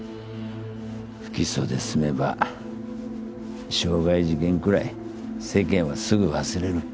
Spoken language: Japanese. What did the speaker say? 不起訴で済めば傷害事件くらい世間はすぐ忘れる。